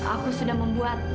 aku sudah membuat